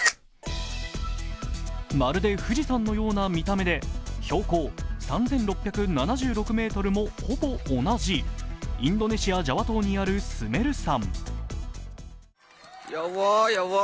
まるで富士山のような見た目で標高３６７６ｍもほど同じ、インドネシア・ジャワ島にあるスメル山。